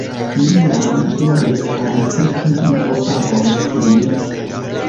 Mi jam diris al vi ke Dio pagos min